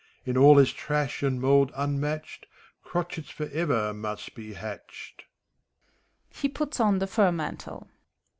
In all this trash and mould unmatched, Crotchets forever must be hatched.